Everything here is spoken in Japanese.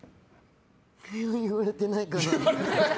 言われてないかな。